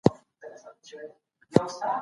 ايا انلاين کورسونه د زده کړي دوام ساتي؟